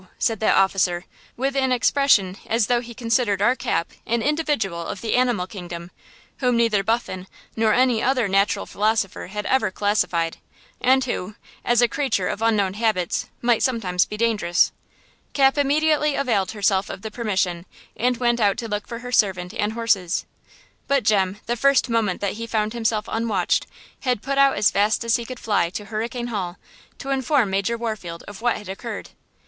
said that officer, with an expression as though he considered our Cap an individual of the animal kingdom whom neither Buffon nor any other natural philosopher had ever classified, and who, as a creature of unknown habits, might sometimes be dangerous. Cap immediately availed herself of the permission, and went out to look for her servant and horses. But Jem, the first moment that he found himself unwatched, had put out as fast as he could fly to Hurricane Hall, to inform Major Warfield of what had occurred.